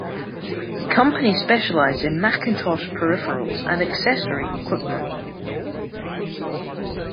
The company specialized in Macintosh peripherals and accessory equipment.